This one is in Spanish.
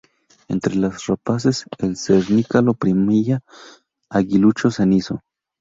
Entre las rapaces el cernícalo primilla, aguilucho cenizo.